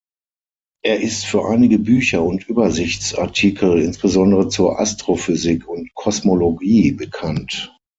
Er ist für einige Bücher und Übersichtsartikel insbesondere zur Astrophysik und Kosmologie bekannt.